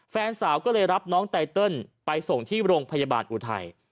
แฟนสาวก็เลยรับน้องไตเติลไปส่งที่โรงพยาบาลอุทัย